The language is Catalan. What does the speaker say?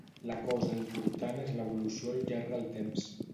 La cosa important és l’evolució al llarg del temps.